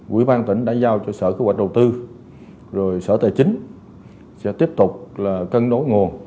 quỹ ban tỉnh đã giao cho sở kế hoạch đầu tư rồi sở tài chính sẽ tiếp tục là cân đối nguồn